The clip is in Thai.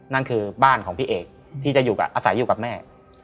นั่นคือบ้านของพี่เอกที่จะอยู่อาศัยอยู่กับแม่